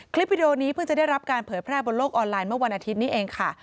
วิดีโอนี้เพิ่งจะได้รับการเผยแพร่บนโลกออนไลน์เมื่อวันอาทิตย์นี้เองค่ะ